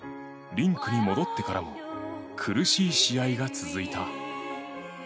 リンクに戻ってからも苦しい試合が続いた。